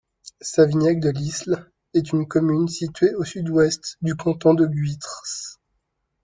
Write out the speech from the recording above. Savignac-de-l’Isle est une commune située au sud-ouest du canton de Guîtres.